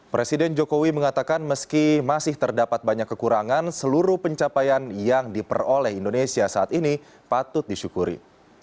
presiden jokowi mengatakan meski masih terdapat banyak kekurangan seluruh pencapaian yang diperoleh indonesia saat ini patut disyukuri